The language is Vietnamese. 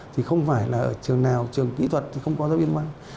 thì không phải là ở trường nào trường kỹ thuật thì không có giáo viên văn